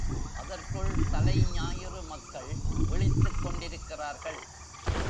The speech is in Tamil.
அதற்குள் தலைஞாயிறு மக்கள் விழித்துக் கொண்டிருக்கிறார்கள்.